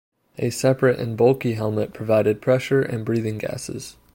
A separate, and bulky, helmet provided pressure and breathing gases.